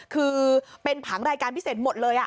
คือเป็นผังรายการพิเศษหมดเลย